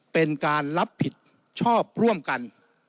เป็นการรับผิดชอบร่วมกัน